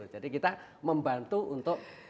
jadi kita membantu untuk